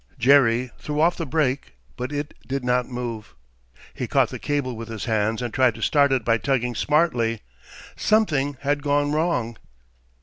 Jerry threw off the brake, but it did not move. He caught the cable with his hands and tried to start it by tugging smartly. Something had gone wrong.